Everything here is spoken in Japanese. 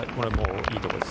いいところです。